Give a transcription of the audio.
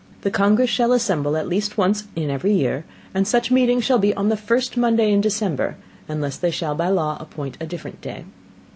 The Congress shall assemble at least once in every Year, and such Meeting shall be on the first Monday in December, unless they shall by law appoint a different Day.